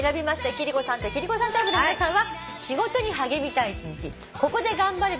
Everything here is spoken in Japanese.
貴理子さんと貴理子さんタイプの皆さんは。